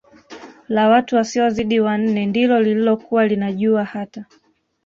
la watu wasiozidi wanne ndilo lililokuwa linajua hata